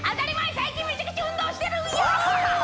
最近めちゃくちゃ運動してるよ！